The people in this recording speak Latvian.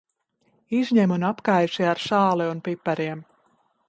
Izņem un apkaisi ar sāli un pipariem.